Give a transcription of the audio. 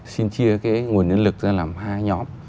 xin chia cái nguồn nhân lực ra làm hai nhóm